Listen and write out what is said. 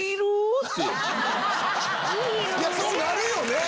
そうなるよね！